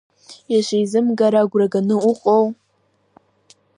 Ишизымгара агәра ганы уҟоу?